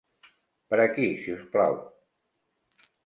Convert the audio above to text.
Per aquí, si us plau.